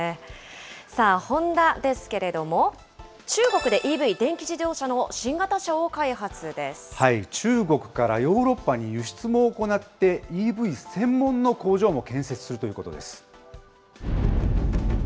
さあ、ホンダですけれども、中国でＥＶ・電気自動車の新型車を開中国からヨーロッパに輸出も行って、ＥＶ専門の工場も建設するということです。